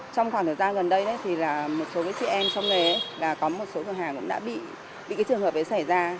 trong khoảng thời gian gần đây một số chị em trong lề có một số cửa hàng đã bị trường hợp xảy ra